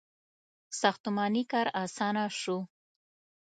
• ساختماني کار آسانه شو.